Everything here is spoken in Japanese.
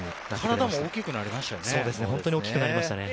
体も大きくなりましたね。